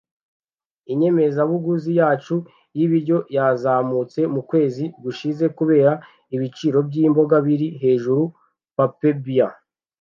Inyemezabuguzi yacu y'ibiryo yazamutse mu kwezi gushize kubera ibiciro by'imboga biri hejuru. (papabear)